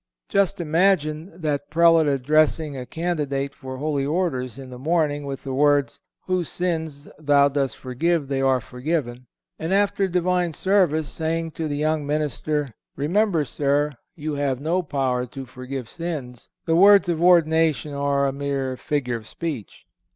Just imagine that prelate addressing a candidate for Holy Orders, in the morning, with the words: "Whose sins thou dost forgive they are forgiven;" and after Divine service saying to the young minister: "Remember, sir, you have no power to forgive sins. The words of ordination are a mere figure of speech."